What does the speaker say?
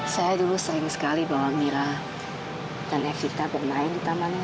saya dulu sayang sekali bahwa mira dan evita bermain di taman ini